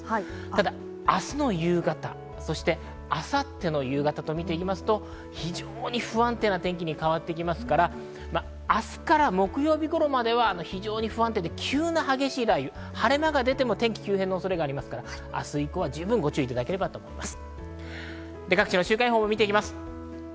ただ明日の夕方、そして、明後日の夕方を見ていきますと、非常に不安定な天気に変わってきますから、明日から木曜日頃までは非常に不安定で急な激しい雷雨、晴れ間が出ていても、天気の急変の恐れがあるので、十分にご注意いただければと思います。